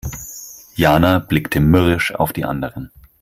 Jana blickte mürrisch auf die anderen.